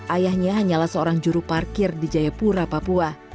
ayahnya hanyalah seorang juru parkir di jayapura papua